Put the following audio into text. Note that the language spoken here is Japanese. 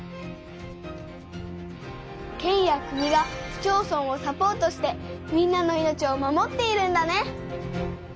県や国が市町村をサポートしてみんなの命を守っているんだね。